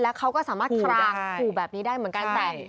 เขาก็สามารถคลางขู่แบบนี้ได้เหมือนกันแต่